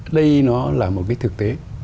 đây nó là một cái thực tế